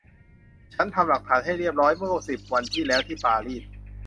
ฉันทำหลักฐานให้เรียบร้อยเมื่อสิบวันที่แล้วที่ปารีส